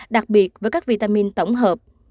đặc biệt với các vitamin tổng hợp